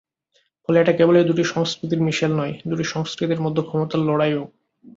ফলে এটা কেবলই দুটি সংস্কৃতির মিশেল নয়, দুটি সংস্কৃতির মধ্যে ক্ষমতার লড়াইও।